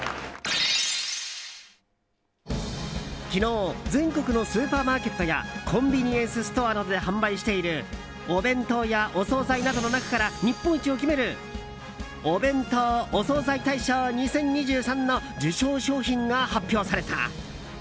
昨日全国のスーパーマーケットやコンビニエンスストアなどで販売しているお弁当やお総菜などの中から日本一を決めるお弁当・お惣菜大賞２０２３の受賞商品が発表された。